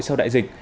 sau đại dịch